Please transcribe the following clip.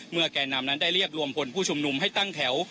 แก่นำนั้นได้เรียกรวมพลผู้ชุมนุมให้ตั้งแถว